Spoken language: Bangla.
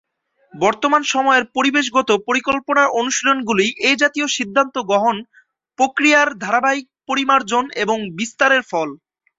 বর্তমান সময়ের পরিবেশগত পরিকল্পনার অনুশীলনগুলি এই জাতীয় সিদ্ধান্ত গ্রহণ প্রক্রিয়ার ধারাবাহিক পরিমার্জন এবং বিস্তারের ফল।